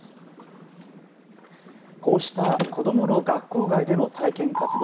こうした子どもの学校外での体験活動。